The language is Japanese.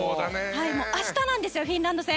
明日なんです、フィンランド戦。